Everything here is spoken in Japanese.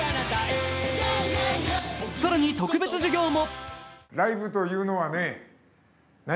更に、特別授業も。